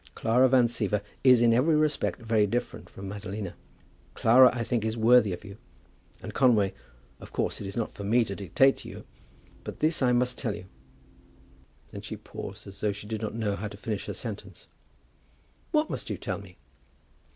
Clara Van Siever is in every respect very different from Madalina. Clara, I think, is worthy of you. And Conway, of course it is not for me to dictate to you; but this I must tell you " Then she paused, as though she did not know how to finish her sentence. "What must you tell me?"